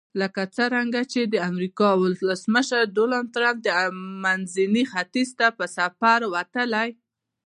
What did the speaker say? لکه څرنګه چې د امریکا ولسمشر ډونلډ ټرمپ منځني ختیځ ته په سفر وتلی.